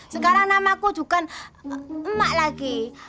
sekarang namaku bukan emak lagi